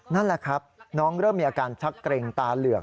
นั่นแหละครับน้องเริ่มมีอาการชักเกร็งตาเหลือก